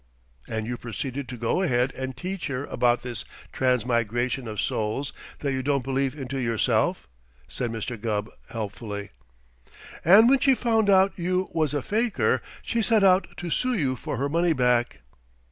"And you proceeded to go ahead and teach her about this transmigration of souls that you don't believe into yourself," said Mr. Gubb helpfully. "And when she found out you was a faker she set out to sue you for her money back."